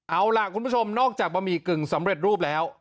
เอาล่ะคุณผู้ชมนอกจากบะหมี่กึ่งสำเร็จรูปแล้ว